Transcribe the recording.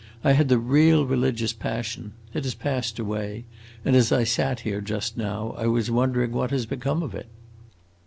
I had the real religious passion. It has passed away, and, as I sat here just now, I was wondering what had become of it!"